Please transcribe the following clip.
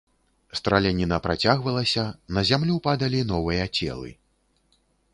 Страляніна працягвалася, на зямлю падалі новыя целы.